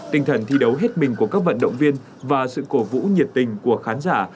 tinh thần thi đấu hết mình của các vận động viên và sự cổ vũ nhiệt tình của khán giả